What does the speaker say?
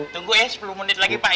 tunggu ya sepuluh menit lagi pak